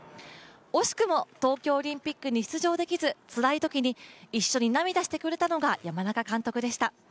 惜しくも東京オリンピックに出場できずつらいときに、一緒に涙してくれたのが山中監督でした。